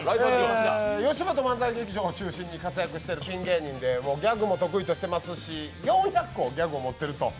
よしもと漫才劇場を中心に活躍しているピン芸人でギャグも得意としてますし、４００個ギャグを持っていると。